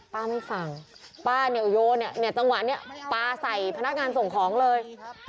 ป้าไม่ฟังป้าเนี่ยโยนเนี่ยจังหวะนี้ปลาใส่พนักงานส่งของเลย